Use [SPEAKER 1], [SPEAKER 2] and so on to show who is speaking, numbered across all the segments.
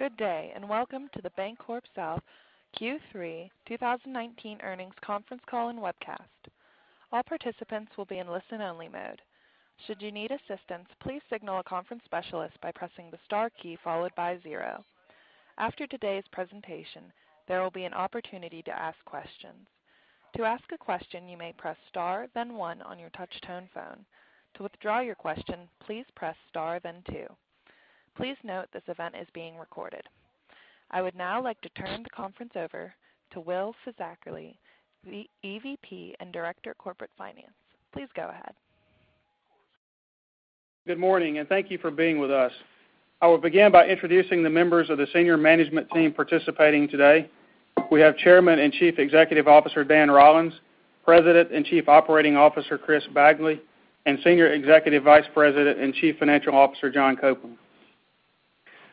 [SPEAKER 1] Good day, and welcome to the BancorpSouth Q3 2019 earnings conference call and webcast. All participants will be in listen-only mode. Should you need assistance, please signal a conference specialist by pressing the star key followed by zero. After today's presentation, there will be an opportunity to ask questions. To ask a question, you may press star then one on your touch tone phone. To withdraw your question, please press star then two. Please note this event is being recorded. I would now like to turn the conference over to Will Fisackerly, the EVP and Director of Corporate Finance. Please go ahead.
[SPEAKER 2] Good morning, thank you for being with us. I will begin by introducing the members of the senior management team participating today. We have Chairman and Chief Executive Officer, Dan Rollins, President and Chief Operating Officer, Chris Bagley, and Senior Executive Vice President and Chief Financial Officer, John Copeland.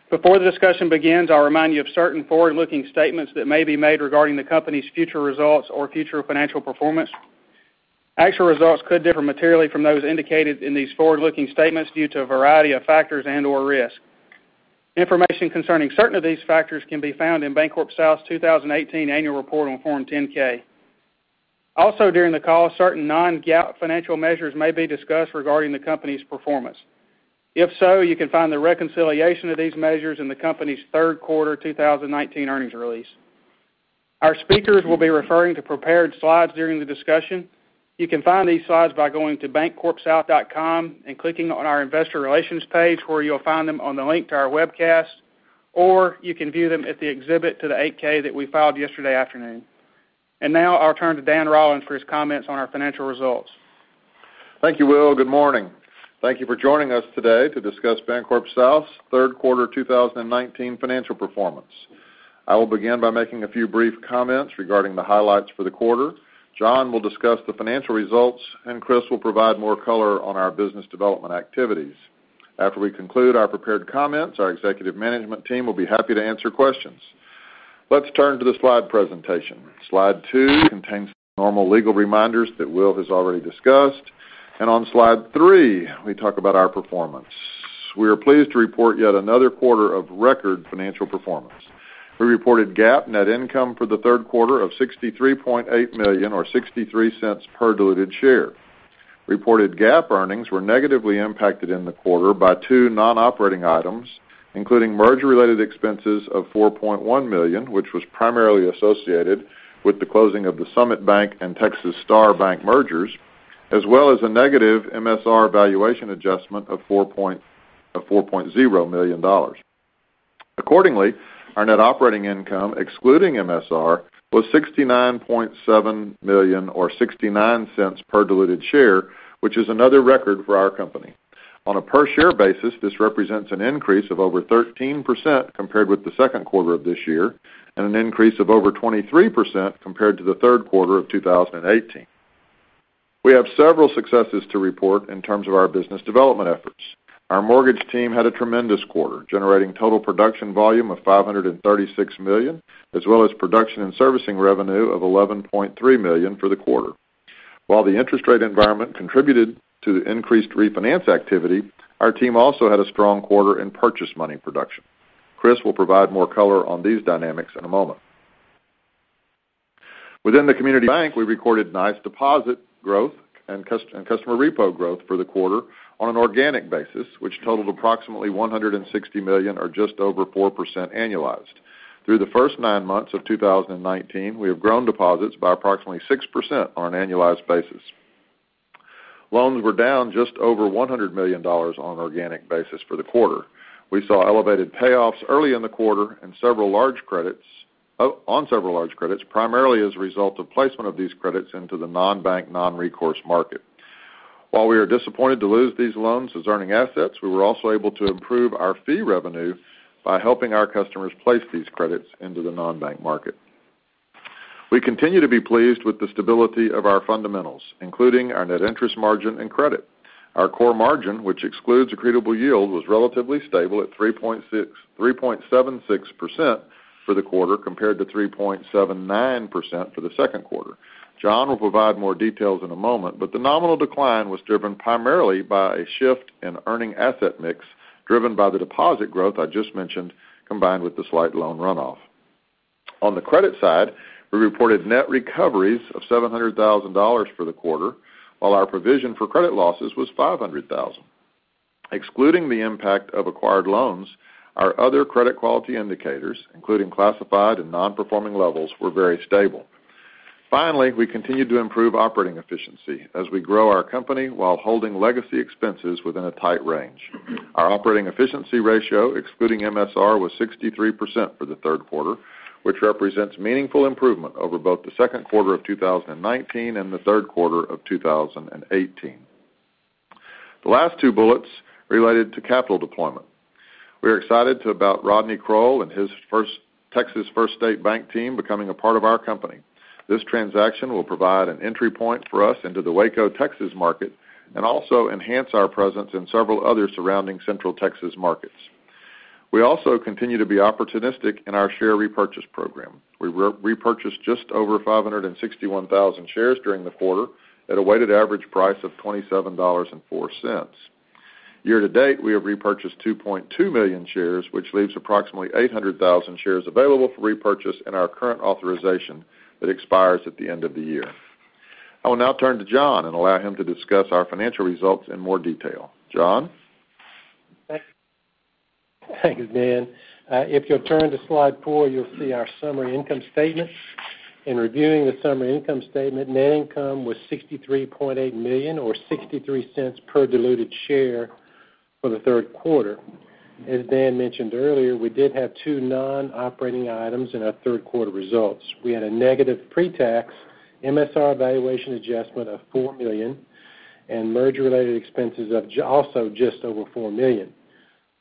[SPEAKER 2] Before the discussion begins, I'll remind you of certain forward-looking statements that may be made regarding the company's future results or future financial performance. Actual results could differ materially from those indicated in these forward-looking statements due to a variety of factors and/or risk. Information concerning certain of these factors can be found in BancorpSouth's 2018 annual report on Form 10-K. Also, during the call, certain non-GAAP financial measures may be discussed regarding the company's performance. If so, you can find the reconciliation of these measures in the company's third quarter 2019 earnings release. Our speakers will be referring to prepared slides during the discussion. You can find these slides by going to bancorpsouth.com and clicking on our investor relations page, where you'll find them on the link to our webcast, or you can view them at the exhibit to the 8-K that we filed yesterday afternoon. Now I'll turn to Dan Rollins for his comments on our financial results.
[SPEAKER 3] Thank you, Will. Good morning. Thank you for joining us today to discuss BancorpSouth's third quarter 2019 financial performance. I will begin by making a few brief comments regarding the highlights for the quarter. John will discuss the financial results. Chris will provide more color on our business development activities. After we conclude our prepared comments, our executive management team will be happy to answer questions. Let's turn to the slide presentation. Slide two contains normal legal reminders that Will has already discussed. On slide three, we talk about our performance. We are pleased to report yet another quarter of record financial performance. We reported GAAP net income for the third quarter of $63.8 million, or $0.63 per diluted share. Reported GAAP earnings were negatively impacted in the quarter by two non-operating items, including merger-related expenses of $4.1 million, which was primarily associated with the closing of the Summit Bank and Texas Star Bank mergers, as well as a negative MSR valuation adjustment of $4.0 million. Our net operating income, excluding MSR, was $69.7 million or $0.69 per diluted share, which is another record for our company. On a per-share basis, this represents an increase of over 13% compared with the second quarter of this year, and an increase of over 23% compared to the third quarter of 2018. We have several successes to report in terms of our business development efforts. Our mortgage team had a tremendous quarter, generating total production volume of $536 million, as well as production and servicing revenue of $11.3 million for the quarter. While the interest rate environment contributed to the increased refinance activity, our team also had a strong quarter in purchase money production. Chris will provide more color on these dynamics in a moment. Within the community bank, we recorded nice deposit growth and customer repo growth for the quarter on an organic basis, which totaled approximately $160 million, or just over 4% annualized. Through the first nine months of 2019, we have grown deposits by approximately 6% on an annualized basis. Loans were down just over $100 million on an organic basis for the quarter. We saw elevated payoffs early in the quarter on several large credits, primarily as a result of placement of these credits into the non-bank, non-recourse market. While we are disappointed to lose these loans as earning assets, we were also able to improve our fee revenue by helping our customers place these credits into the non-bank market. We continue to be pleased with the stability of our fundamentals, including our net interest margin and credit. Our core margin, which excludes accretable yield, was relatively stable at 3.76% for the quarter, compared to 3.79% for the second quarter. John will provide more details in a moment, but the nominal decline was driven primarily by a shift in earning asset mix driven by the deposit growth I just mentioned, combined with the slight loan runoff. On the credit side, we reported net recoveries of $700,000 for the quarter, while our provision for credit losses was $500,000. Excluding the impact of acquired loans, our other credit quality indicators, including classified and non-performing levels, were very stable. We continued to improve operating efficiency as we grow our company while holding legacy expenses within a tight range. Our operating efficiency ratio, excluding MSR, was 63% for the third quarter, which represents meaningful improvement over both the second quarter of 2019 and the third quarter of 2018. The last two bullets related to capital deployment. We're excited about Rodney Crowell and his Texas First State Bank team becoming a part of our company. This transaction will provide an entry point for us into the Waco, Texas market and also enhance our presence in several other surrounding Central Texas markets. We also continue to be opportunistic in our share repurchase program. We repurchased just over 561,000 shares during the quarter at a weighted average price of $27.04. Year-to-date, we have repurchased 2.2 million shares, which leaves approximately 800,000 shares available for repurchase in our current authorization that expires at the end of the year. I will now turn to John and allow him to discuss our financial results in more detail. John?
[SPEAKER 4] Thanks, Dan. If you'll turn to slide four, you'll see our summary income statement. In reviewing the summary income statement, net income was $63.8 million, or $0.63 per diluted share for the third quarter. As Dan mentioned earlier, we did have two non-operating items in our third quarter results. We had a negative pre-tax MSR valuation adjustment of $4 million and merger-related expenses of also just over $4 million.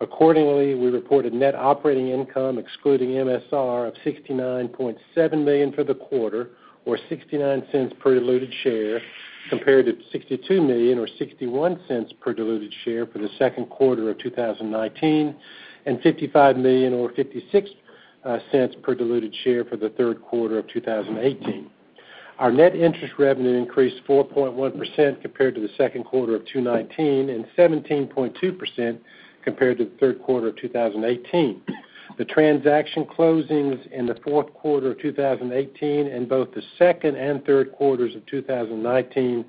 [SPEAKER 4] Accordingly, we reported net operating income excluding MSR of $69.7 million for the quarter, or $0.69 per diluted share, compared to $62 million or $0.61 per diluted share for the second quarter of 2019, and $55 million or $0.56 per diluted share for the third quarter of 2018. Our net interest revenue increased 4.1% compared to the second quarter of 2019 and 17.2% compared to the third quarter of 2018. The transaction closings in the fourth quarter of 2018 and both the second and third quarters of 2019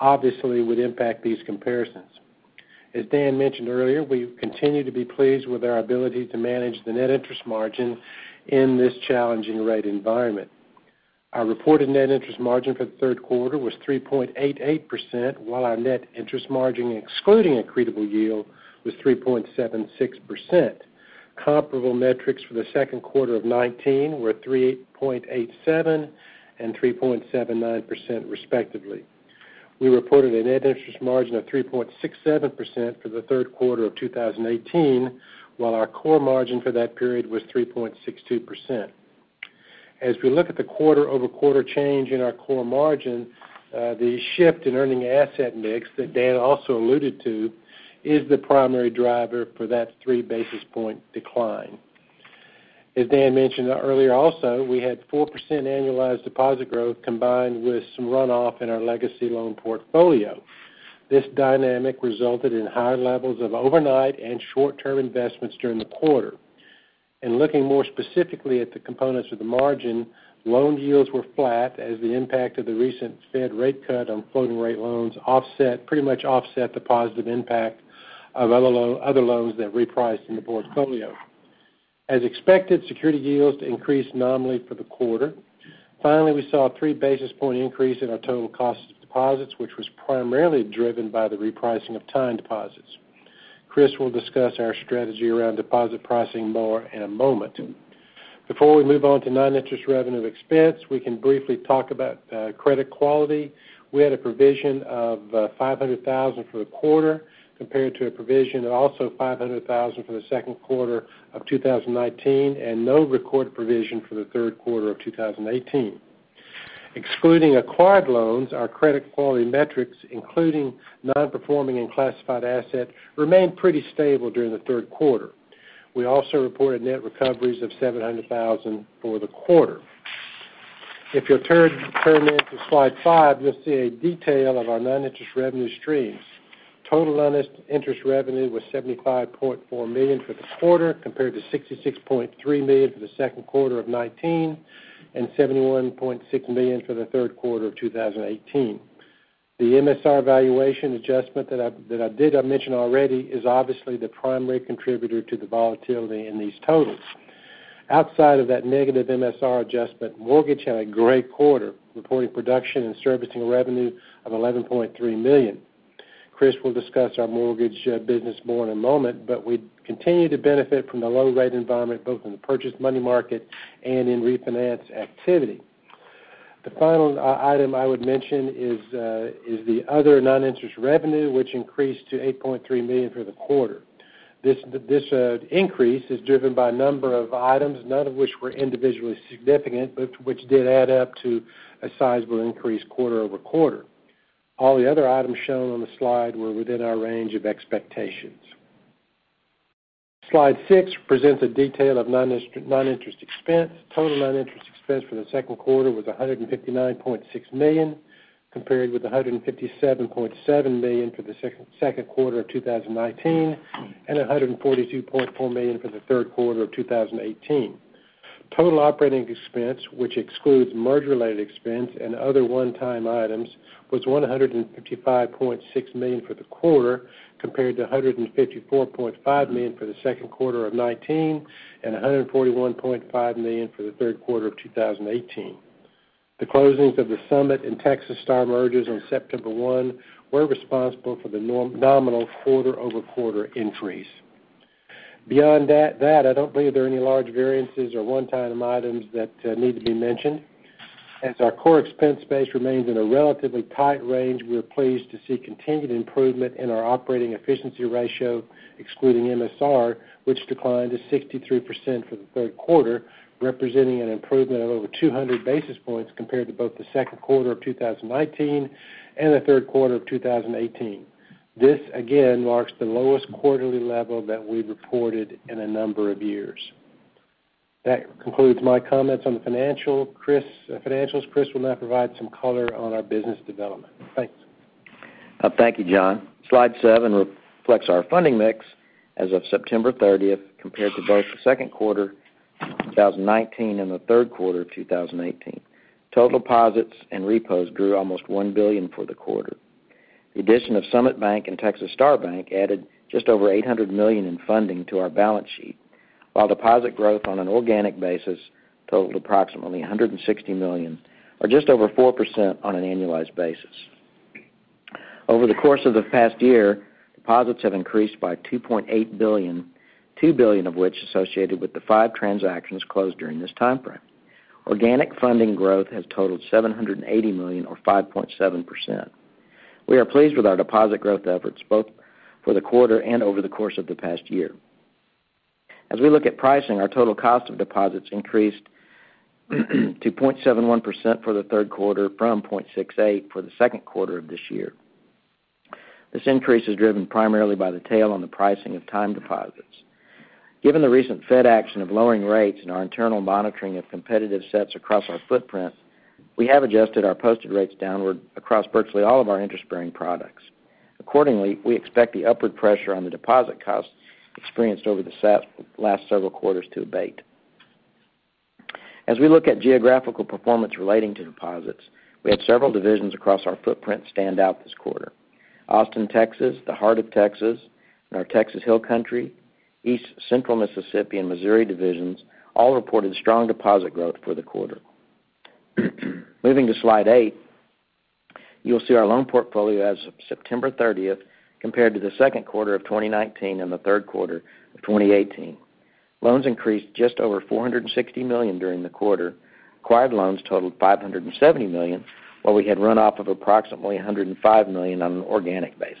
[SPEAKER 4] obviously would impact these comparisons. As Dan mentioned earlier, we continue to be pleased with our ability to manage the net interest margin in this challenging rate environment. Our reported net interest margin for the third quarter was 3.88%, while our net interest margin excluding accretable yield was 3.76%. Comparable metrics for the second quarter of 2019 were 3.87% and 3.79%, respectively. We reported a net interest margin of 3.67% for the third quarter of 2018, while our core margin for that period was 3.62%. As we look at the quarter-over-quarter change in our core margin, the shift in earning asset mix that Dan also alluded to is the primary driver for that three-basis-point decline. As Dan mentioned earlier also, we had 4% annualized deposit growth combined with some runoff in our legacy loan portfolio. This dynamic resulted in higher levels of overnight and short-term investments during the quarter. In looking more specifically at the components of the margin, loan yields were flat as the impact of the recent Fed rate cut on floating rate loans pretty much offset the positive impact of other loans that repriced in the portfolio. As expected, security yields increased nominally for the quarter. Finally, we saw a three-basis-point increase in our total cost of deposits, which was primarily driven by the repricing of time deposits. Chris will discuss our strategy around deposit pricing more in a moment. Before we move on to non-interest revenue expense, we can briefly talk about credit quality. We had a provision of $500,000 for the quarter compared to a provision of also $500,000 for the second quarter of 2019 and no record provision for the third quarter of 2018. Excluding acquired loans, our credit quality metrics, including non-performing and classified asset, remained pretty stable during the third quarter. We also reported net recoveries of $700,000 for the quarter. If you'll turn to slide five, you'll see a detail of our non-interest revenue streams. Total interest revenue was $75.4 million for the quarter, compared to $66.3 million for the second quarter of 2019 and $71.6 million for the third quarter of 2018. The MSR valuation adjustment that I did mention already is obviously the primary contributor to the volatility in these totals. Outside of that negative MSR adjustment, mortgage had a great quarter, reporting production and servicing revenue of $11.3 million. Chris will discuss our mortgage business more in a moment, but we continue to benefit from the low rate environment, both in the purchase money market and in refinance activity. The final item I would mention is the other non-interest revenue, which increased to $8.3 million for the quarter. This increase is driven by a number of items, none of which were individually significant, but which did add up to a sizable increase quarter-over-quarter. All the other items shown on the slide were within our range of expectations. Slide six presents a detail of non-interest expense. Total non-interest expense for the second quarter was $159.6 million, compared with $157.7 million for the second quarter of 2019 and $142.4 million for the third quarter of 2018. Total operating expense, which excludes merger-related expense and other one-time items, was $155.6 million for the quarter, compared to $154.5 million for the second quarter of 2019 and $141.5 million for the third quarter of 2018. The closings of the Summit and Texas Star mergers on September 1 were responsible for the nominal quarter-over-quarter increase. Beyond that, I don't believe there are any large variances or one-time items that need to be mentioned. As our core expense base remains in a relatively tight range, we are pleased to see continued improvement in our operating efficiency ratio, excluding MSR, which declined to 63% for the third quarter, representing an improvement of over 200 basis points compared to both the second quarter of 2019 and the third quarter of 2018. This again marks the lowest quarterly level that we've reported in a number of years. That concludes my comments on the financials. Chris will now provide some color on our business development. Thanks.
[SPEAKER 5] Thank you, John. Slide seven reflects our funding mix as of September 30th, compared to both the second quarter 2019 and the third quarter of 2018. Total deposits and repos grew almost $1 billion for the quarter. The addition of Summit Bank and Texas Star Bank added just over $800 million in funding to our balance sheet. While deposit growth on an organic basis totaled approximately $160 million, or just over 4% on an annualized basis. Over the course of the past year, deposits have increased by $2.8 billion, $2 billion of which associated with the five transactions closed during this timeframe. Organic funding growth has totaled $780 million, or 5.7%. We are pleased with our deposit growth efforts, both for the quarter and over the course of the past year. As we look at pricing, our total cost of deposits increased to 0.71% for the third quarter from 0.68% for the second quarter of this year. This increase is driven primarily by the tail on the pricing of time deposits. Given the recent Fed action of lowering rates and our internal monitoring of competitive sets across our footprint, we have adjusted our posted rates downward across virtually all of our interest-bearing products. Accordingly, we expect the upward pressure on the deposit costs experienced over the last several quarters to abate. As we look at geographical performance relating to deposits, we had several divisions across our footprint stand out this quarter. Austin, Texas, the Heart of Texas, and our Texas Hill Country, East Central Mississippi and Missouri divisions all reported strong deposit growth for the quarter. Moving to slide eight, you'll see our loan portfolio as of September 30th, compared to the second quarter of 2019 and the third quarter of 2018. Loans increased just over $460 million during the quarter. Acquired loans totaled $570 million, while we had runoff of approximately $105 million on an organic basis.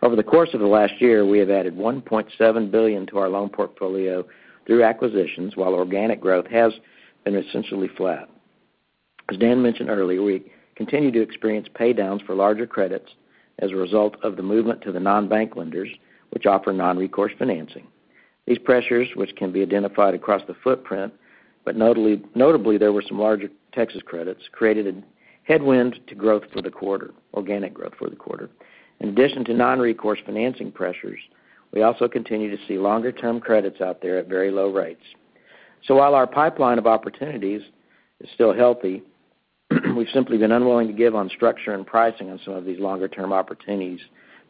[SPEAKER 5] Over the course of the last year, we have added $1.7 billion to our loan portfolio through acquisitions, while organic growth has been essentially flat. As Dan mentioned earlier, we continue to experience paydowns for larger credits as a result of the movement to the non-bank lenders, which offer non-recourse financing. These pressures, which can be identified across the footprint, but notably, there were some larger Texas credits, created a headwind to growth for the quarter, organic growth for the quarter. In addition to non-recourse financing pressures, we also continue to see longer-term credits out there at very low rates. While our pipeline of opportunities is still healthy, we've simply been unwilling to give on structure and pricing on some of these longer-term opportunities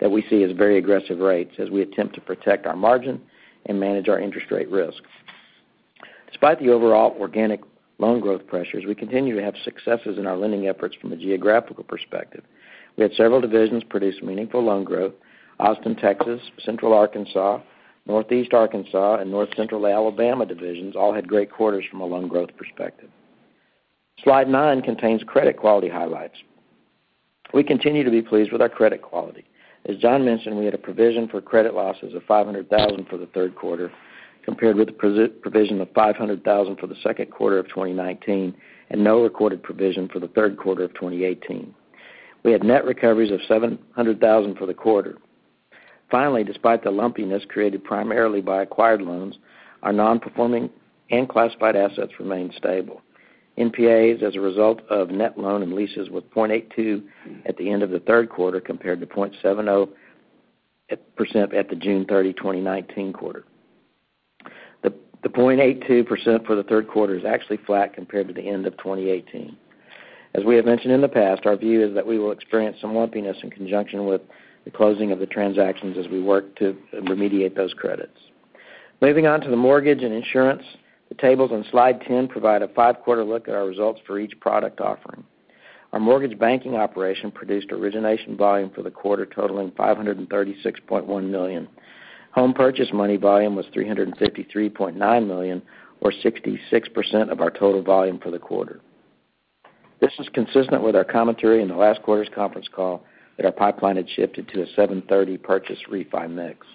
[SPEAKER 5] that we see as very aggressive rates as we attempt to protect our margin and manage our interest rate risk. Despite the overall organic loan growth pressures, we continue to have successes in our lending efforts from a geographical perspective. We had several divisions produce meaningful loan growth. Austin, Texas, Central Arkansas, Northeast Arkansas, and North Central Alabama divisions all had great quarters from a loan growth perspective. Slide nine contains credit quality highlights. We continue to be pleased with our credit quality. As John mentioned, we had a provision for credit losses of $500,000 for the third quarter, compared with the provision of $500,000 for the second quarter of 2019, and no recorded provision for the third quarter of 2018. We had net recoveries of $700,000 for the quarter. Finally, despite the lumpiness created primarily by acquired loans, our non-performing and classified assets remain stable. NPAs, as a result of net loan and leases, was 0.82% at the end of the third quarter, compared to 0.70% at the June 30, 2019 quarter. The 0.82% for the third quarter is actually flat compared to the end of 2018. As we have mentioned in the past, our view is that we will experience some lumpiness in conjunction with the closing of the transactions as we work to remediate those credits. Moving on to the mortgage and insurance. The tables on slide 10 provide a five-quarter look at our results for each product offering. Our mortgage banking operation produced origination volume for the quarter totaling $536.1 million. Home purchase money volume was $353.9 million, or 66% of our total volume for the quarter. This is consistent with our commentary in the last quarter's conference call that our pipeline had shifted to a 730 purchase refi mix.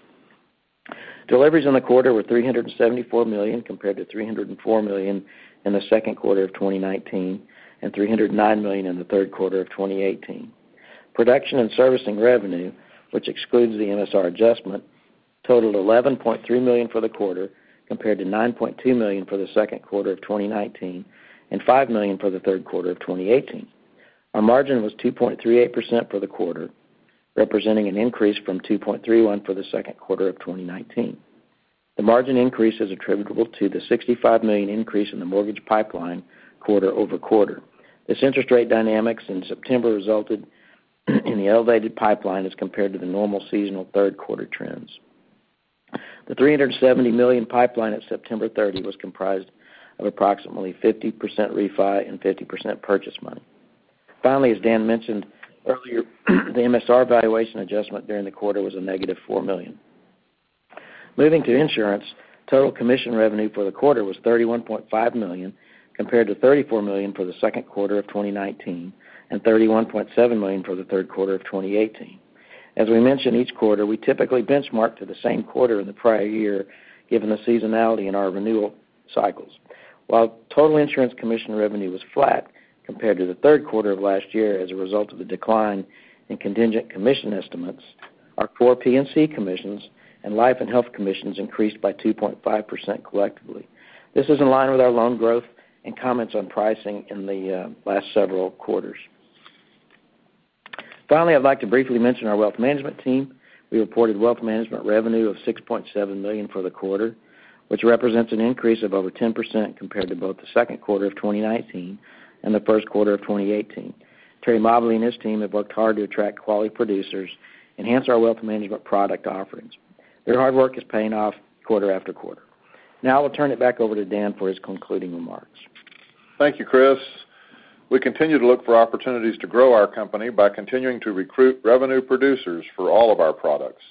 [SPEAKER 5] Deliveries in the quarter were $374 million, compared to $304 million in the second quarter of 2019, and $309 million in the third quarter of 2018. Production and servicing revenue, which excludes the MSR adjustment, totaled $11.3 million for the quarter, compared to $9.2 million for the second quarter of 2019, and $5 million for the third quarter of 2018. Our margin was 2.38% for the quarter, representing an increase from 2.31% for the second quarter of 2019. The margin increase is attributable to the $65 million increase in the mortgage pipeline quarter-over-quarter. This interest rate dynamics in September resulted in the elevated pipeline as compared to the normal seasonal third-quarter trends. The $370 million pipeline at September 30 was comprised of approximately 50% refi and 50% purchase money. Finally, as Dan mentioned earlier, the MSR valuation adjustment during the quarter was a negative $4 million. Moving to insurance, total commission revenue for the quarter was $31.5 million, compared to $34 million for the second quarter of 2019, and $31.7 million for the third quarter of 2018. As we mention each quarter, we typically benchmark to the same quarter in the prior year, given the seasonality in our renewal cycles. While total insurance commission revenue was flat compared to the third quarter of last year as a result of the decline in contingent commission estimates, our core P&C commissions and life and health commissions increased by 2.5% collectively. This is in line with our loan growth and comments on pricing in the last several quarters. Finally, I'd like to briefly mention our wealth management team. We reported wealth management revenue of $6.7 million for the quarter, which represents an increase of over 10% compared to both the second quarter of 2019 and the first quarter of 2018. Terry Mobley and his team have worked hard to attract quality producers, enhance our wealth management product offerings. Their hard work is paying off quarter after quarter. Now I'll turn it back over to Dan for his concluding remarks.
[SPEAKER 3] Thank you, Chris. We continue to look for opportunities to grow our company by continuing to recruit revenue producers for all of our products.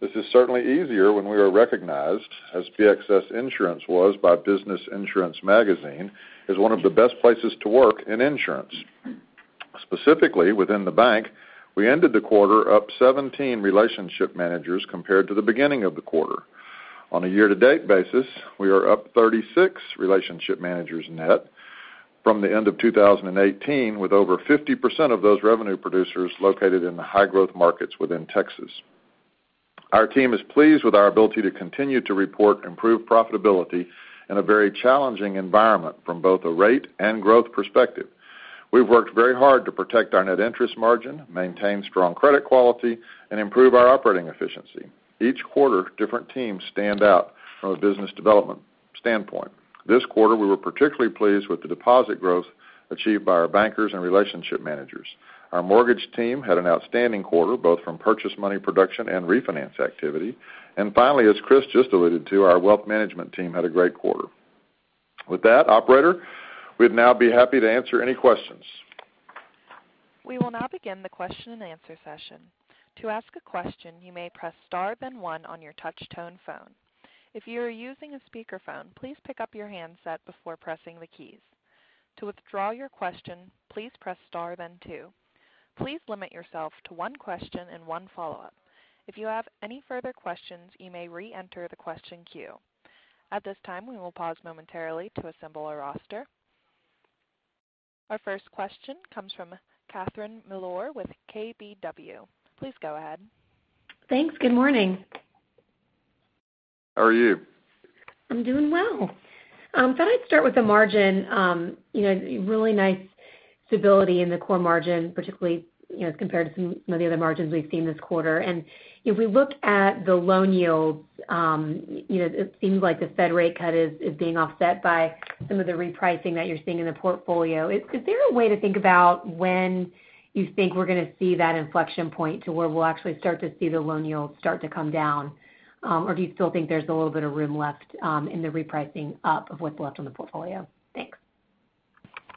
[SPEAKER 3] This is certainly easier when we are recognized as BXS Insurance was by Business Insurance magazine as one of the best places to work in insurance. Specifically within the bank, we ended the quarter up 17 relationship managers compared to the beginning of the quarter. On a year-to-date basis, we are up 36 relationship managers net from the end of 2018, with over 50% of those revenue producers located in the high-growth markets within Texas. Our team is pleased with our ability to continue to report improved profitability in a very challenging environment from both a rate and growth perspective. We've worked very hard to protect our net interest margin, maintain strong credit quality, and improve our operating efficiency. Each quarter, different teams stand out from a business development standpoint. This quarter, we were particularly pleased with the deposit growth achieved by our bankers and relationship managers. Our mortgage team had an outstanding quarter, both from purchase money production and refinance activity. Finally, as Chris just alluded to, our wealth management team had a great quarter. With that, operator, we'd now be happy to answer any questions.
[SPEAKER 1] We will now begin the question and answer session. To ask a question, you may press star then one on your touch-tone phone. If you are using a speakerphone, please pick up your handset before pressing the keys. To withdraw your question, please press star then two. Please limit yourself to one question and one follow-up. If you have any further questions, you may reenter the question queue. At this time, we will pause momentarily to assemble our roster. Our first question comes from Catherine Mealor with KBW. Please go ahead.
[SPEAKER 6] Thanks. Good morning.
[SPEAKER 3] How are you?
[SPEAKER 6] I'm doing well. Thought I'd start with the margin. Really nice stability in the core margin, particularly as compared to some of the other margins we've seen this quarter. If we look at the loan yields, it seems like the Fed rate cut is being offset by some of the repricing that you're seeing in the portfolio. Is there a way to think about when you think we're going to see that inflection point to where we'll actually start to see the loan yields start to come down? Or do you still think there's a little bit of room left in the repricing up of what's left on the portfolio? Thanks.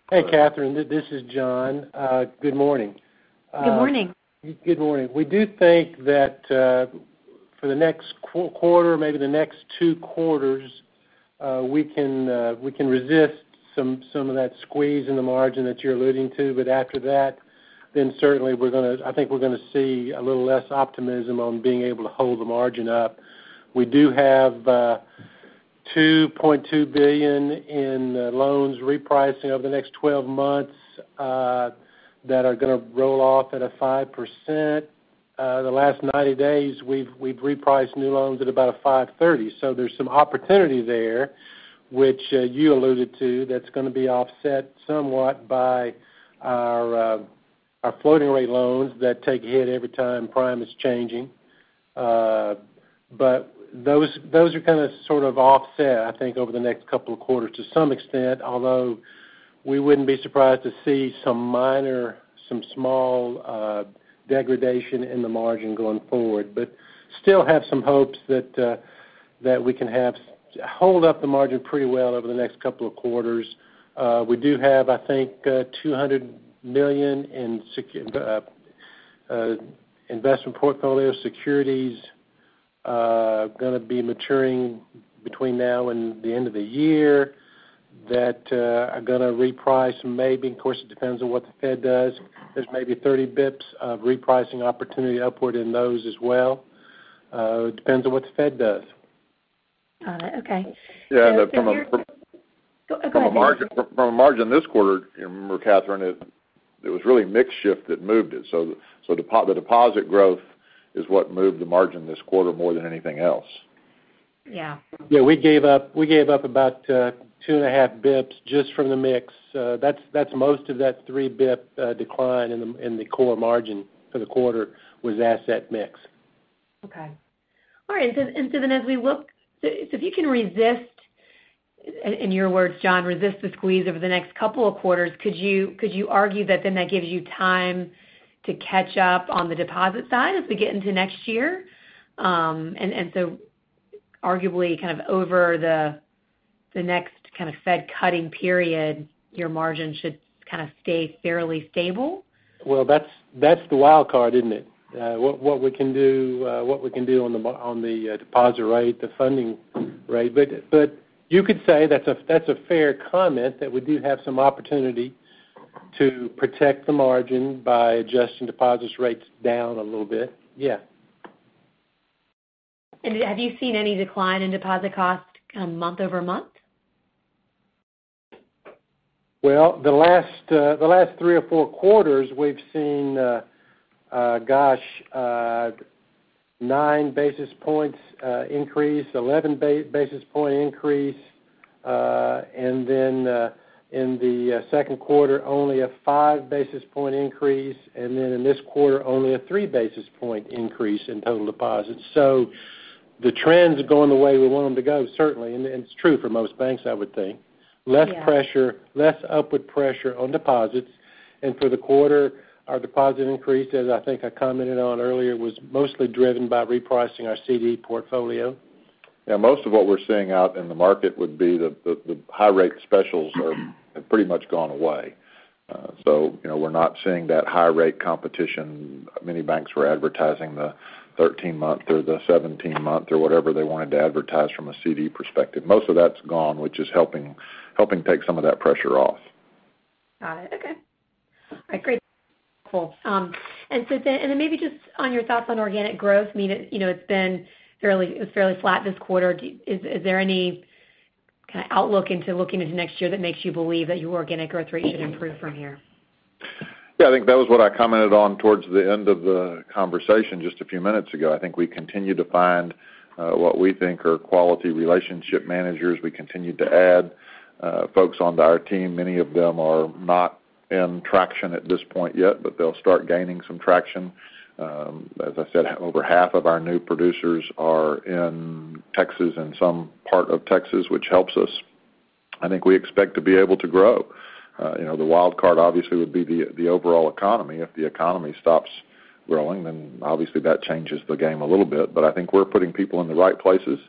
[SPEAKER 4] Hey, Catherine, this is John. Good morning.
[SPEAKER 6] Good morning.
[SPEAKER 4] Good morning. We do think that for the next quarter, maybe the next two quarters, we can resist some of that squeeze in the margin that you're alluding to. After that, certainly I think we're going to see a little less optimism on being able to hold the margin up. We do have $2.2 billion in loans repricing over the next 12 months that are going to roll off at a 5%. The last 90 days, we've repriced new loans at about a 530. There's some opportunity there, which you alluded to, that's going to be offset somewhat by our floating rate loans that take a hit every time prime is changing. Those are kind of sort of offset, I think, over the next couple of quarters to some extent, although we wouldn't be surprised to see some minor, some small degradation in the margin going forward. Still have some hopes that we can hold up the margin pretty well over the next couple of quarters. We do have, I think, $200 million in investment portfolio securities going to be maturing between now and the end of the year that are going to reprice maybe. Of course, it depends on what the Fed does. There's maybe 30 basis points of repricing opportunity upward in those as well. It depends on what the Fed does.
[SPEAKER 6] Got it. Okay.
[SPEAKER 3] Yeah.
[SPEAKER 6] Go ahead.
[SPEAKER 3] From a margin this quarter, remember, Catherine, it was really mix shift that moved it. The deposit growth is what moved the margin this quarter more than anything else.
[SPEAKER 6] Yeah.
[SPEAKER 4] Yeah, we gave up about two and a half basis points just from the mix. That's most of that three basis point decline in the core margin for the quarter was asset mix.
[SPEAKER 6] Okay. All right. If you can, in your words, John, resist the squeeze over the next couple of quarters, could you argue that then that gives you time to catch up on the deposit side as we get into next year? Arguably kind of over the next kind of Fed cutting period, your margin should kind of stay fairly stable?
[SPEAKER 4] Well, that's the wild card, isn't it? What we can do on the deposit rate, the funding rate. You could say that's a fair comment that we do have some opportunity to protect the margin by adjusting deposits rates down a little bit. Yeah.
[SPEAKER 6] Have you seen any decline in deposit cost month-over-month?
[SPEAKER 4] Well, the last three or four quarters we've seen, gosh, nine basis points increase, 11 basis point increase, and then in the second quarter only a five basis point increase, and then in this quarter only a three basis point increase in total deposits. The trends are going the way we want them to go, certainly, and it's true for most banks, I would think.
[SPEAKER 6] Yeah.
[SPEAKER 4] Less upward pressure on deposits. For the quarter, our deposit increase, as I think I commented on earlier, was mostly driven by repricing our CD portfolio.
[SPEAKER 3] Yeah, most of what we're seeing out in the market would be the high rate specials have pretty much gone away. We're not seeing that high rate competition. Many banks were advertising the 13 month or the 17 month or whatever they wanted to advertise from a CD perspective. Most of that's gone, which is helping take some of that pressure off.
[SPEAKER 6] Got it. Okay. All right, great. Cool. Then maybe just on your thoughts on organic growth, it's been fairly flat this quarter. Is there any kind of outlook into looking into next year that makes you believe that your organic growth rate should improve from here?
[SPEAKER 3] Yeah, I think that was what I commented on towards the end of the conversation just a few minutes ago. I think we continue to find what we think are quality relationship managers. We continue to add folks onto our team. Many of them are not in traction at this point yet, but they'll start gaining some traction. As I said, over half of our new producers are in Texas, in some part of Texas, which helps us. I think we expect to be able to grow. The wild card obviously would be the overall economy. If the economy stops growing, then obviously that changes the game a little bit, but I think we're putting people in the right places.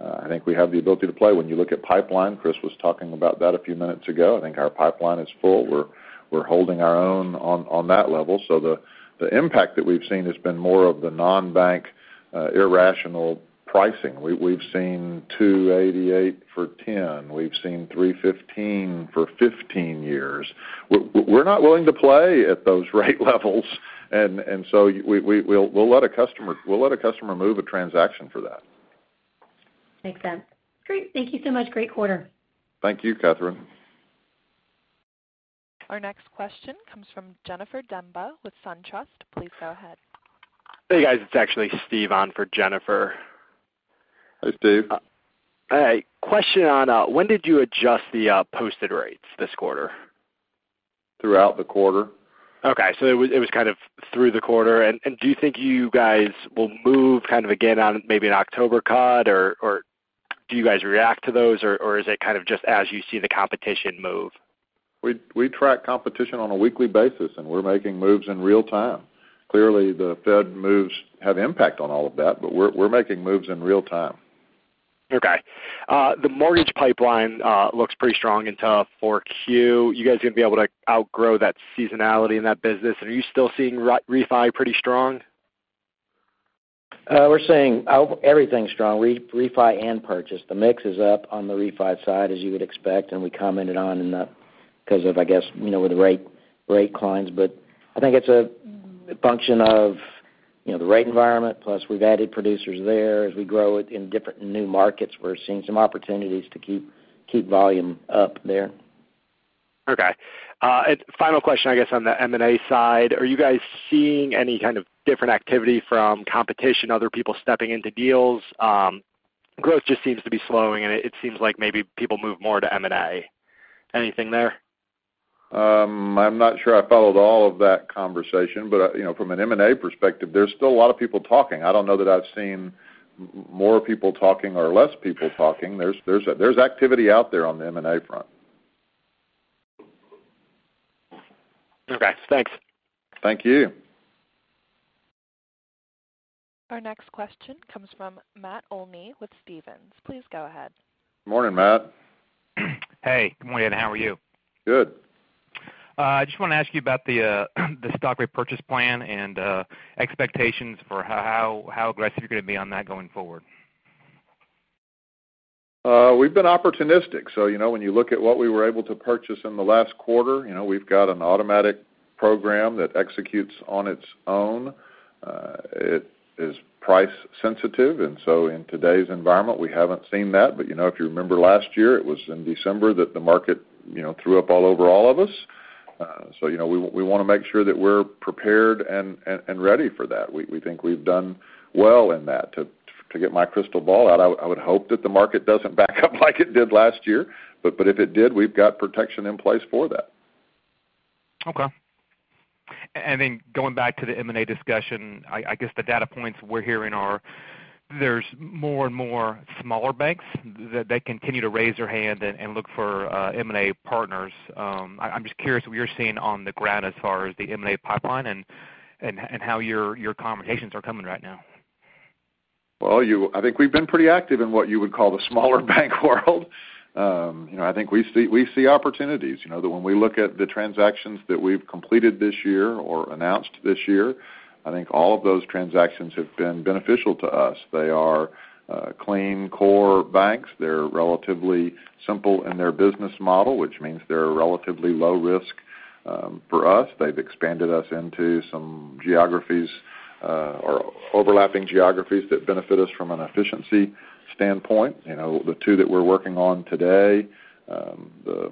[SPEAKER 3] I think we have the ability to play. When you look at pipeline, Chris was talking about that a few minutes ago. I think our pipeline is full. We're holding our own on that level. The impact that we've seen has been more of the non-bank irrational pricing. We've seen 288 for 10. We've seen 315 for 15 years. We're not willing to play at those rate levels. We'll let a customer move a transaction for that.
[SPEAKER 6] Makes sense. Great. Thank you so much. Great quarter.
[SPEAKER 3] Thank you, Catherine.
[SPEAKER 1] Our next question comes from Jennifer Demba with SunTrust. Please go ahead.
[SPEAKER 7] Hey, guys. It's actually Steve on for Jennifer.
[SPEAKER 3] Hi, Steve.
[SPEAKER 7] Hey. Question on when did you adjust the posted rates this quarter?
[SPEAKER 3] Throughout the quarter.
[SPEAKER 7] Okay. It was kind of through the quarter. Do you think you guys will move kind of again on maybe an October cut, or do you guys react to those, or is it kind of just as you see the competition move?
[SPEAKER 3] We track competition on a weekly basis, and we're making moves in real time. Clearly, the Fed moves have impact on all of that, but we're making moves in real time.
[SPEAKER 7] Okay. The mortgage pipeline looks pretty strong into 4Q. You guys going to be able to outgrow that seasonality in that business? Are you still seeing refi pretty strong?
[SPEAKER 4] We're seeing everything strong, refi and purchase. The mix is up on the refi side, as you would expect, and we commented on because of, I guess, with the rate climbs. I think it's a function of the rate environment, plus we've added producers there. As we grow in different new markets, we're seeing some opportunities to keep volume up there.
[SPEAKER 7] Okay. Final question, I guess, on the M&A side. Are you guys seeing any kind of different activity from competition, other people stepping into deals? Growth just seems to be slowing, and it seems like maybe people move more to M&A. Anything there?
[SPEAKER 3] I'm not sure I followed all of that conversation, but from an M&A perspective, there's still a lot of people talking. I don't know that I've seen more people talking or less people talking. There's activity out there on the M&A front.
[SPEAKER 7] Okay, thanks.
[SPEAKER 3] Thank you.
[SPEAKER 1] Our next question comes from Matt Olney with Stephens. Please go ahead.
[SPEAKER 3] Morning, Matt.
[SPEAKER 8] Hey, good morning. How are you?
[SPEAKER 3] Good.
[SPEAKER 8] I just want to ask you about the stock repurchase plan and expectations for how aggressive you're going to be on that going forward.
[SPEAKER 3] We've been opportunistic, so when you look at what we were able to purchase in the last quarter, we've got an automatic program that executes on its own. It is price sensitive, and so in today's environment, we haven't seen that. If you remember last year, it was in December that the market threw up all over all of us. We want to make sure that we're prepared and ready for that. We think we've done well in that. To get my crystal ball out, I would hope that the market doesn't back up like it did last year. If it did, we've got protection in place for that.
[SPEAKER 8] Okay. Going back to the M&A discussion, I guess the data points we're hearing are there's more and more smaller banks that continue to raise their hand and look for M&A partners. I'm just curious what you're seeing on the ground as far as the M&A pipeline and how your conversations are coming right now.
[SPEAKER 3] Well, I think we've been pretty active in what you would call the smaller bank world. I think we see opportunities. When we look at the transactions that we've completed this year or announced this year, I think all of those transactions have been beneficial to us. They are clean core banks. They're relatively simple in their business model, which means they're a relatively low risk. For us, they've expanded us into some overlapping geographies that benefit us from an efficiency standpoint. The two that we're working on today, the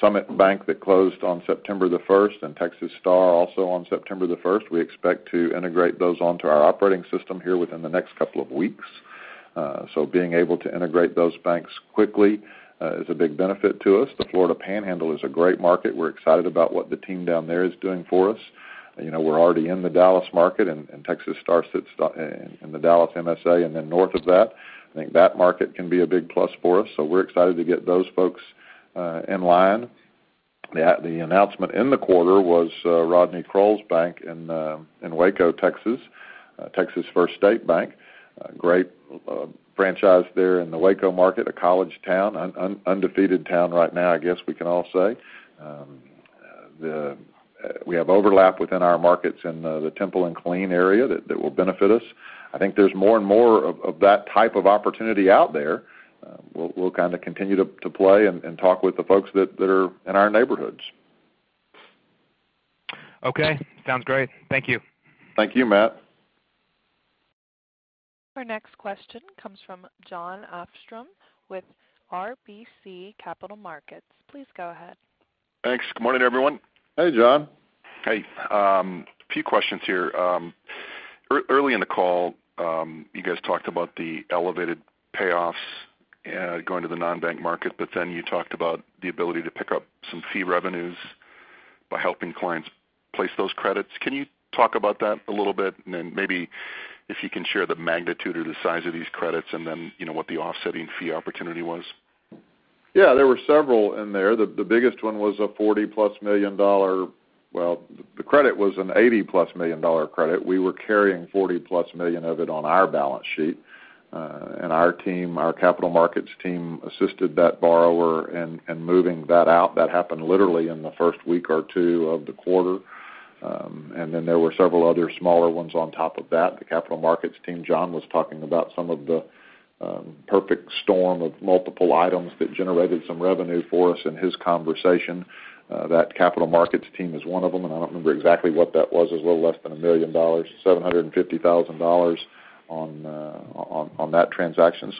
[SPEAKER 3] Summit Bank that closed on September the 1st, and Texas Star also on September the 1st. We expect to integrate those onto our operating system here within the next couple of weeks. Being able to integrate those banks quickly is a big benefit to us. The Florida Panhandle is a great market. We're excited about what the team down there is doing for us. We're already in the Dallas market. Texas Star sits in the Dallas MSA north of that. I think that market can be a big plus for us. We're excited to get those folks in line. The announcement in the quarter was Rodney Crowell's bank in Waco, Texas First State Bank. A great franchise there in the Waco market, a college town, undefeated town right now, I guess we can all say. We have overlap within our markets in the Temple and Killeen area that will benefit us. I think there's more and more of that type of opportunity out there. We'll continue to play and talk with the folks that are in our neighborhoods.
[SPEAKER 8] Okay, sounds great. Thank you.
[SPEAKER 3] Thank you, Matt.
[SPEAKER 1] Our next question comes from Jon Arfstrom with RBC Capital Markets. Please go ahead.
[SPEAKER 9] Thanks. Good morning, everyone.
[SPEAKER 3] Hey, John.
[SPEAKER 9] Hey. A few questions here. Early in the call, you guys talked about the elevated payoffs going to the non-bank market, but then you talked about the ability to pick up some fee revenues by helping clients place those credits. Can you talk about that a little bit? Maybe if you can share the magnitude or the size of these credits and then what the offsetting fee opportunity was?
[SPEAKER 3] Yeah, there were several in there. The biggest one was a $40-plus million, well, the credit was an $80-plus million credit. We were carrying $40-plus million of it on our balance sheet. Our capital markets team assisted that borrower in moving that out. That happened literally in the first week or two of the quarter. There were several other smaller ones on top of that. The capital markets team, John, was talking about some of the perfect storm of multiple items that generated some revenue for us in his conversation. That capital markets team is one of them, and I don't remember exactly what that was. It was a little less than a million dollars, $750,000 on that transaction.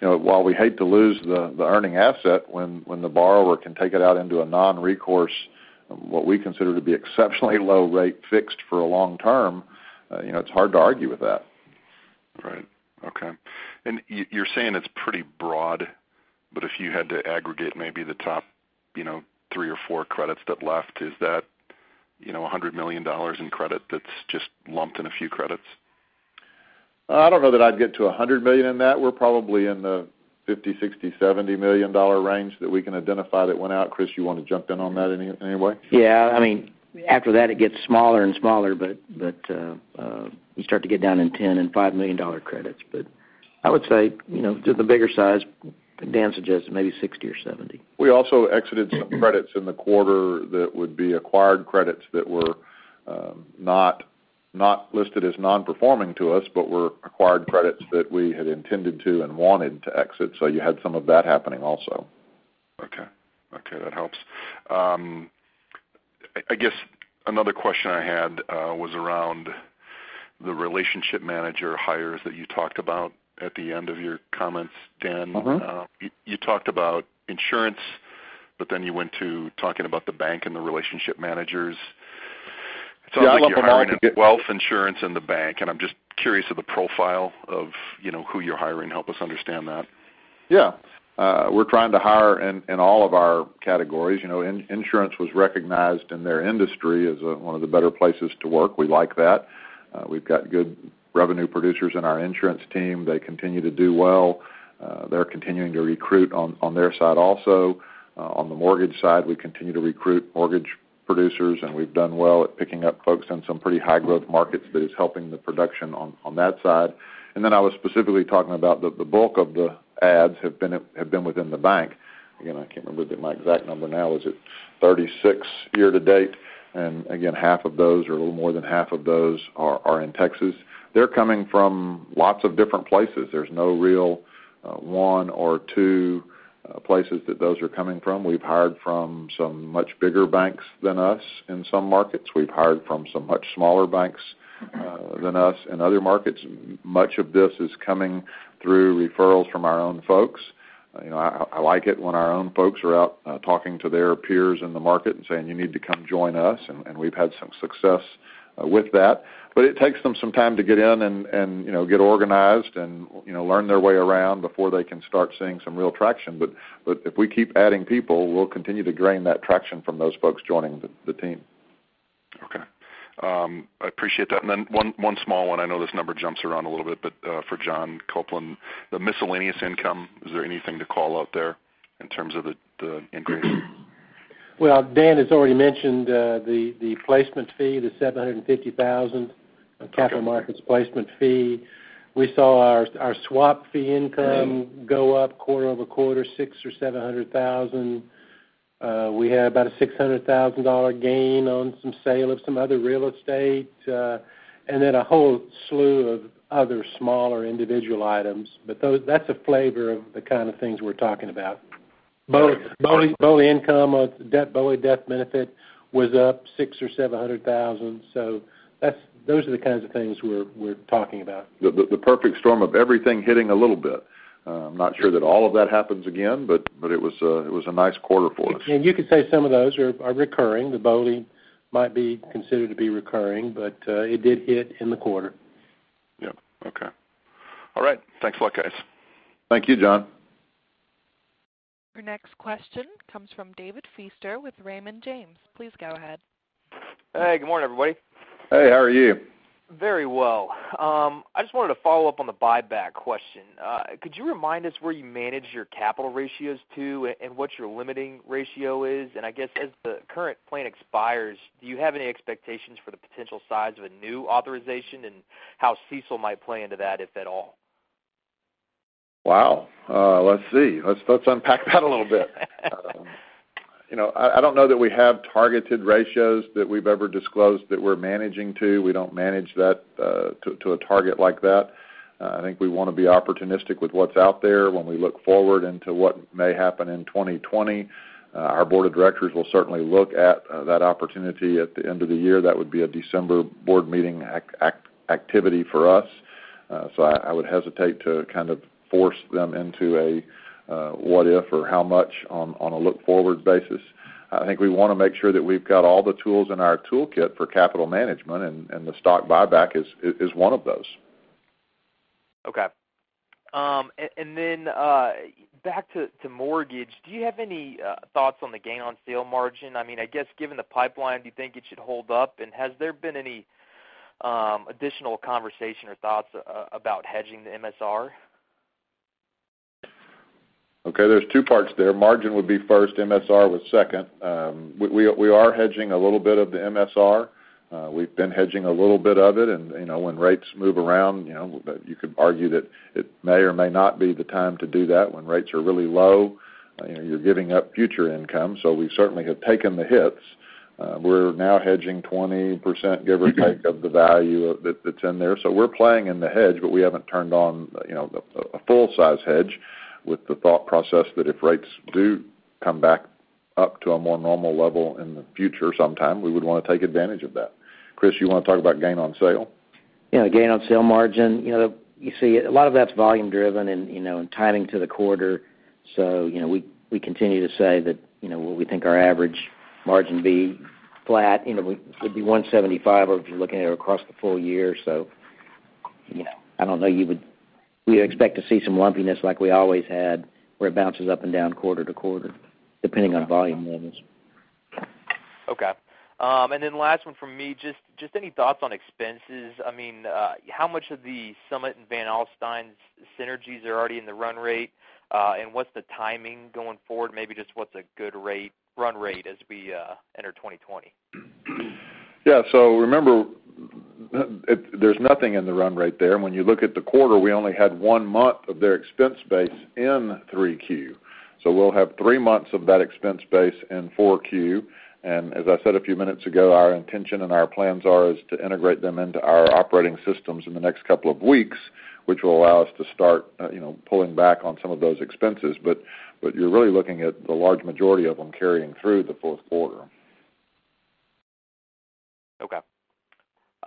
[SPEAKER 3] While we hate to lose the earning asset when the borrower can take it out into a non-recourse, what we consider to be exceptionally low rate fixed for a long term, it's hard to argue with that.
[SPEAKER 9] Right. Okay. You're saying it's pretty broad, but if you had to aggregate maybe the top three or four credits that left, is that $100 million in credit that's just lumped in a few credits?
[SPEAKER 3] I don't know that I'd get to $100 million in that. We're probably in the $50 million, $60 million, $70 million range that we can identify that went out. Chris, you want to jump in on that in any way?
[SPEAKER 5] Yeah. After that, it gets smaller and smaller, but you start to get down in $10 and $5 million credits. I would say, just the bigger size, Dan suggested maybe $60 or $70.
[SPEAKER 3] We also exited some credits in the quarter that would be acquired credits that were not listed as non-performing to us but were acquired credits that we had intended to and wanted to exit. You had some of that happening also.
[SPEAKER 9] Okay. That helps. I guess another question I had was around the relationship manager hires that you talked about at the end of your comments, Dan. You talked about insurance, but then you went to talking about the bank and the relationship managers.
[SPEAKER 3] Yeah, I lump them all together.
[SPEAKER 9] It sounds like you're hiring at wealth management in the bank, and I'm just curious of the profile of who you're hiring. Help us understand that.
[SPEAKER 3] Yeah. We're trying to hire in all of our categories. Insurance was recognized in their industry as one of the better places to work. We like that. We've got good revenue producers in our insurance team. They continue to do well. They're continuing to recruit on their side also. On the mortgage side, we continue to recruit mortgage producers, and we've done well at picking up folks in some pretty high-growth markets that is helping the production on that side. I was specifically talking about the bulk of the ads have been within the bank. Again, I can't remember my exact number now. Is it 36 year to date? Again, half of those, or a little more than half of those are in Texas. They're coming from lots of different places. There's no real one or two places that those are coming from. We've hired from some much bigger banks than us in some markets. We've hired from some much smaller banks than us in other markets. Much of this is coming through referrals from our own folks. I like it when our own folks are out talking to their peers in the market and saying, "You need to come join us." We've had some success with that. It takes them some time to get in and get organized and learn their way around before they can start seeing some real traction. If we keep adding people, we'll continue to drain that traction from those folks joining the team.
[SPEAKER 9] Okay. I appreciate that. One small one. I know this number jumps around a little bit, but for John Copeland, the miscellaneous income, is there anything to call out there in terms of the increase?
[SPEAKER 4] Well, Dan has already mentioned the placement fee, the $750,000.
[SPEAKER 9] Okay
[SPEAKER 4] capital markets placement fee. We saw our swap fee income go up quarter-over-quarter, $600,000 or $700,000. We had about a $600,000 gain. Some sale of some other real estate, then a whole slew of other smaller individual items. That's a flavor of the kind of things we're talking about. BOLI income, BOLI death benefit was up $600,000 or $700,000. Those are the kinds of things we're talking about.
[SPEAKER 3] The perfect storm of everything hitting a little bit. I'm not sure that all of that happens again, but it was a nice quarter for us.
[SPEAKER 4] You could say some of those are recurring. The BOLI might be considered to be recurring, but it did hit in the quarter.
[SPEAKER 9] Yep. Okay. All right. Thanks a lot, guys. Thank you, John.
[SPEAKER 1] Your next question comes from David Feaster with Raymond James. Please go ahead.
[SPEAKER 10] Hey, good morning, everybody.
[SPEAKER 3] Hey, how are you?
[SPEAKER 10] Very well. I just wanted to follow up on the buyback question. Could you remind us where you manage your capital ratios to and what your limiting ratio is? I guess as the current plan expires, do you have any expectations for the potential size of a new authorization and how CECL might play into that, if at all?
[SPEAKER 3] Wow. Let's see. Let's unpack that a little bit. I don't know that we have targeted ratios that we've ever disclosed that we're managing to. We don't manage to a target like that. I think we want to be opportunistic with what's out there when we look forward into what may happen in 2020. Our board of directors will certainly look at that opportunity at the end of the year. That would be a December board meeting activity for us. I would hesitate to kind of force them into a what if or how much on a look-forward basis. I think we want to make sure that we've got all the tools in our toolkit for capital management, and the stock buyback is one of those.
[SPEAKER 10] Okay. Back to mortgage, do you have any thoughts on the gain on sale margin? I guess given the pipeline, do you think it should hold up? Has there been any additional conversation or thoughts about hedging the MSR?
[SPEAKER 3] There's two parts there. Margin would be first, MSR was second. We are hedging a little bit of the MSR. We've been hedging a little bit of it, and when rates move around, you could argue that it may or may not be the time to do that when rates are really low. You're giving up future income, so we certainly have taken the hits. We're now hedging 20%, give or take, of the value that's in there. We're playing in the hedge, but we haven't turned on a full size hedge with the thought process that if rates do come back up to a more normal level in the future sometime, we would want to take advantage of that. Chris, you want to talk about gain on sale?
[SPEAKER 5] Yeah, gain on sale margin. You see a lot of that's volume driven and timing to the quarter. We continue to say that what we think our average margin be flat, would be 175 if you're looking at it across the full year. I don't know you would expect to see some lumpiness like we always had, where it bounces up and down quarter to quarter, depending on volume levels.
[SPEAKER 10] Okay. Last one from me. Just any thoughts on expenses? How much of the Summit and Van Alstyne synergies are already in the run rate? What's the timing going forward? Maybe just what's a good run rate as we enter 2020?
[SPEAKER 3] Remember, there's nothing in the run rate there. When you look at the quarter, we only had one month of their expense base in 3Q. We'll have three months of that expense base in 4Q. As I said a few minutes ago, our intention and our plans are is to integrate them into our operating systems in the next couple of weeks, which will allow us to start pulling back on some of those expenses. You're really looking at the large majority of them carrying through the fourth quarter.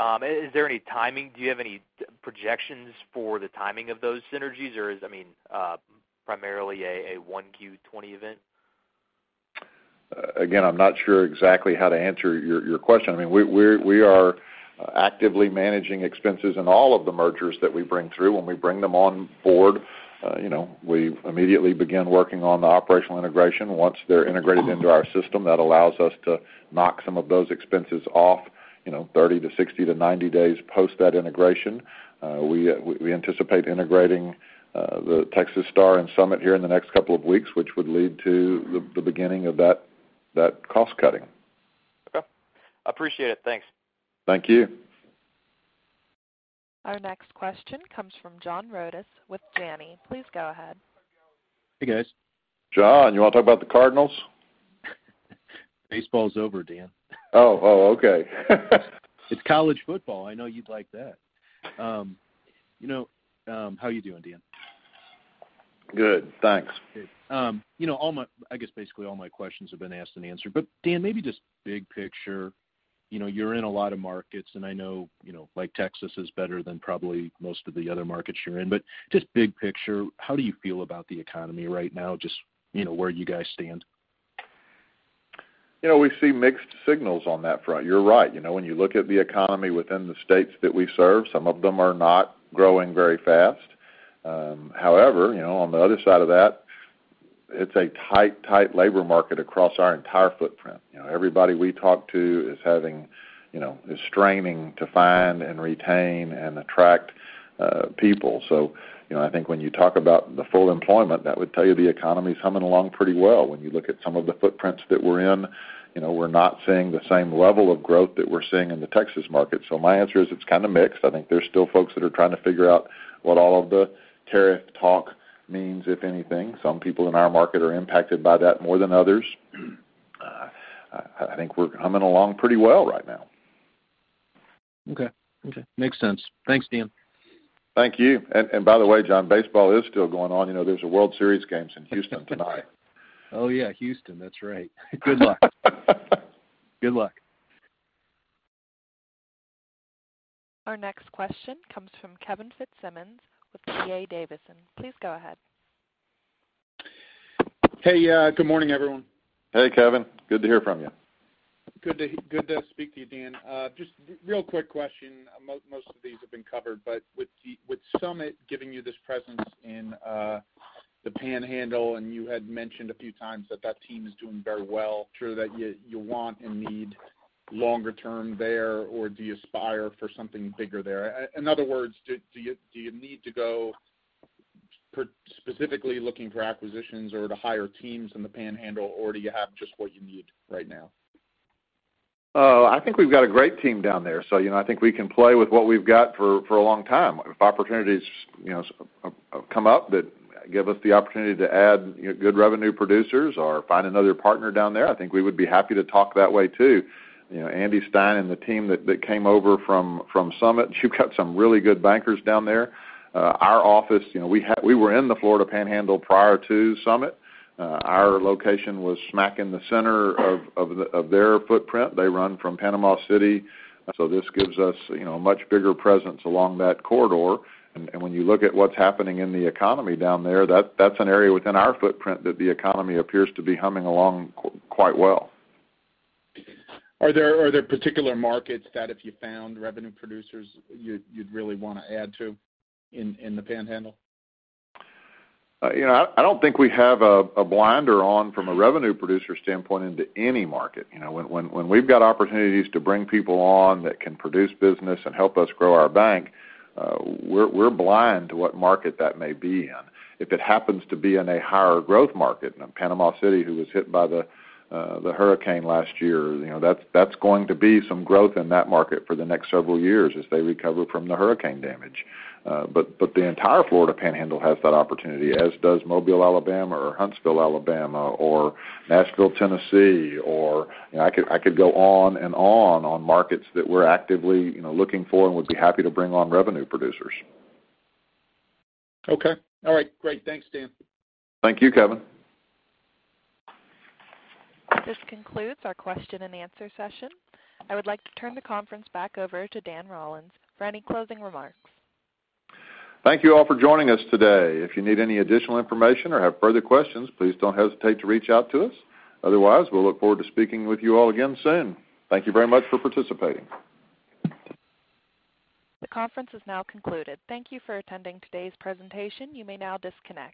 [SPEAKER 10] Okay. Is there any timing? Do you have any projections for the timing of those synergies, or is primarily a 1Q 2020 event?
[SPEAKER 3] I'm not sure exactly how to answer your question. We are actively managing expenses in all of the mergers that we bring through. When we bring them on board, we immediately begin working on the operational integration. Once they're integrated into our system, that allows us to knock some of those expenses off 30 to 60 to 90 days post that integration. We anticipate integrating the Texas Star and Summit here in the next couple of weeks, which would lead to the beginning of that cost cutting.
[SPEAKER 10] Okay. I appreciate it. Thanks.
[SPEAKER 3] Thank you.
[SPEAKER 1] Our next question comes from John Rodis with Janney. Please go ahead.
[SPEAKER 11] Hey, guys.
[SPEAKER 3] John, you want to talk about the Cardinals?
[SPEAKER 11] Baseball's over, Dan.
[SPEAKER 3] Oh, okay.
[SPEAKER 11] It's college football. I know you'd like that. How you doing, Dan?
[SPEAKER 3] Good, thanks.
[SPEAKER 11] Good. I guess basically all my questions have been asked and answered, Dan, maybe just big picture, you're in a lot of markets and I know, Texas is better than probably most of the other markets you're in. Just big picture, how do you feel about the economy right now? Just where you guys stand?
[SPEAKER 3] We see mixed signals on that front. You're right. When you look at the economy within the states that we serve, some of them are not growing very fast. However, on the other side of that, it's a tight labor market across our entire footprint. Everybody we talk to is straining to find and retain and attract people. I think when you talk about the full employment, that would tell you the economy's humming along pretty well. When you look at some of the footprints that we're in, we're not seeing the same level of growth that we're seeing in the Texas market. My answer is it's kind of mixed. I think there's still folks that are trying to figure out what all of the tariff talk means, if anything. Some people in our market are impacted by that more than others. I think we're humming along pretty well right now.
[SPEAKER 11] Okay. Makes sense. Thanks, Dan.
[SPEAKER 3] Thank you. By the way, John, baseball is still going on. There's a World Series games in Houston tonight.
[SPEAKER 11] Oh, yeah, Houston. That's right. Good luck. Good luck.
[SPEAKER 1] Our next question comes from Kevin Fitzsimmons with D.A. Davidson. Please go ahead.
[SPEAKER 12] Hey, good morning, everyone.
[SPEAKER 3] Hey, Kevin. Good to hear from you.
[SPEAKER 12] Good to speak to you, Dan. Just real quick question. Most of these have been covered. With Summit giving you this presence in the Panhandle, and you had mentioned a few times that that team is doing very well, sure that you want and need longer term there, or do you aspire for something bigger there? In other words, do you need to go specifically looking for acquisitions or to hire teams in the Panhandle, or do you have just what you need right now?
[SPEAKER 3] I think we've got a great team down there. I think we can play with what we've got for a long time. If opportunities come up that give us the opportunity to add good revenue producers or find another partner down there, I think we would be happy to talk that way, too. Andy Stein and the team that came over from Summit, you've got some really good bankers down there. Our office, we were in the Florida Panhandle prior to Summit. Our location was smack in the center of their footprint. They run from Panama City. This gives us a much bigger presence along that corridor. When you look at what's happening in the economy down there, that's an area within our footprint that the economy appears to be humming along quite well.
[SPEAKER 12] Are there particular markets that if you found revenue producers you'd really want to add to in the Panhandle?
[SPEAKER 3] I don't think we have a blinder on from a revenue producer standpoint into any market. When we've got opportunities to bring people on that can produce business and help us grow our bank, we're blind to what market that may be in. If it happens to be in a higher growth market, Panama City, who was hit by the hurricane last year, that's going to be some growth in that market for the next several years as they recover from the hurricane damage. The entire Florida Panhandle has that opportunity, as does Mobile, Alabama, or Huntsville, Alabama, or Nashville, Tennessee, or I could go on and on on markets that we're actively looking for and would be happy to bring on revenue producers.
[SPEAKER 12] Okay. All right, great. Thanks, Dan.
[SPEAKER 3] Thank you, Kevin.
[SPEAKER 1] This concludes our question and answer session. I would like to turn the conference back over to Dan Rollins for any closing remarks.
[SPEAKER 3] Thank you all for joining us today. If you need any additional information or have further questions, please don't hesitate to reach out to us. Otherwise, we'll look forward to speaking with you all again soon. Thank you very much for participating.
[SPEAKER 1] The conference is now concluded. Thank you for attending today's presentation. You may now disconnect.